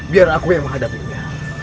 biar aku yang menghadapinya